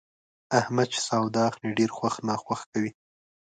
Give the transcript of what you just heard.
احمد چې سودا اخلي، ډېر خوښ ناخوښ کوي.